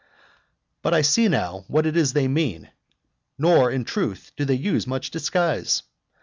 But I see now what it is they mean: nor, in truth, do they use much disguise.